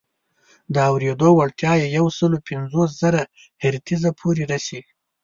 د اورېدو وړتیا یې یو سل پنځوس زره هرتز پورې رسي.